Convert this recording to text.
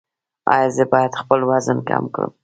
ایا زه باید خپل وزن کم کړم؟